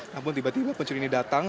namun tiba tiba pencuri ini datang